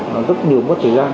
nó rất nhiều mất thời gian